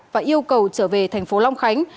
và yêu cầu trở về thành phố long khánh